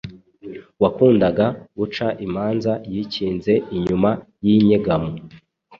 wakundaga guca imanza yikinze inyuma y’inyegamo